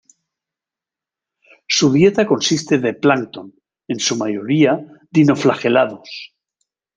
Su dieta consiste de plancton, en su mayoría dinoflagelados.